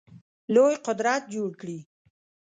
لوی قوت جوړ کړي.